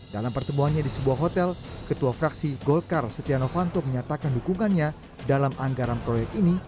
dalam pertemuannya di sebuah hotel ketua fraksi golkar setia novanto menyatakan dukungannya dalam anggaran proyek ini